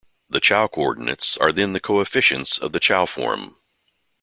The Chow coordinates are then the coefficients of the Chow form.